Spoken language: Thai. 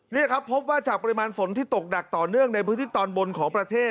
นี่ครับพบว่าจากปริมาณฝนที่ตกหนักต่อเนื่องในพื้นที่ตอนบนของประเทศ